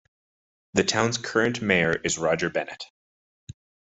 The town's current mayor is Roger Bennett.